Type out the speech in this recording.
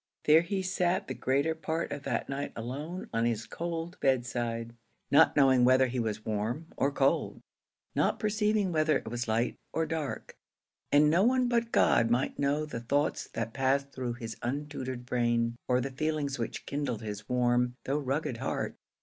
There he sat the greater part of that night alone on his cold bedside, not knowing whether he was warm or cold not perceiving whether it was light or dark; and no one but God might know the thoughts that passed through his untutored brain, or the feelings which kindled his warm, though rugged heart.